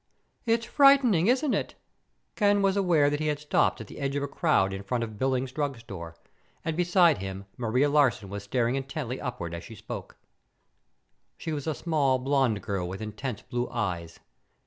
"It's frightening, isn't it?" Ken was aware that he had stopped at the edge of a crowd in front of Billings Drugstore, and beside him Maria Larsen was staring intently upward as she spoke. She was a small, blonde girl with intense blue eyes.